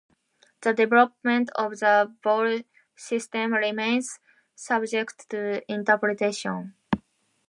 The development of the vowel system remains subject to interpretation.